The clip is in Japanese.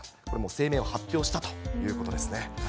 これ、もう声明を発表したということですね。